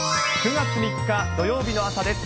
９月３日土曜日の朝です。